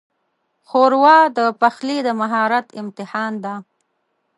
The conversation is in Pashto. ښوروا د پخلي د مهارت امتحان ده.